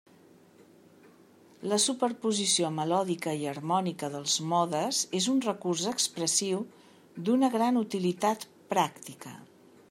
La superposició melòdica i harmònica dels modes és un recurs expressiu d'una gran utilitat pràctica.